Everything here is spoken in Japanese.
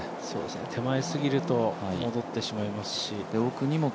手前すぎると戻ってしまいますし。